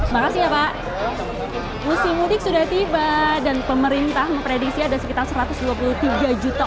makasih ya pak musim mudik sudah tiba dan pemerintah memprediksi ada sekitar satu ratus dua puluh tiga juta